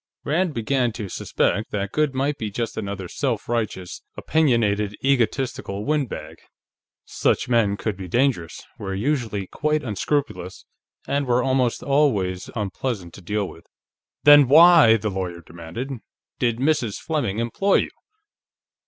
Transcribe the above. Rand began to suspect that Goode might be just another such self righteous, opinionated, egotistical windbag. Such men could be dangerous, were usually quite unscrupulous, and were almost always unpleasant to deal with. "Then why," the lawyer demanded, "did Mrs. Fleming employ you?"